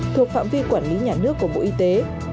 thuộc phạm vi quản lý nhà nước của bộ y tế